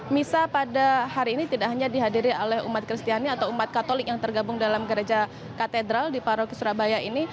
misa pada hari ini tidak hanya dihadiri oleh umat kristiani atau umat katolik yang tergabung dalam gereja katedral di paroki surabaya ini